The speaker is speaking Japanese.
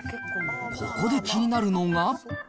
ここで気になるのが。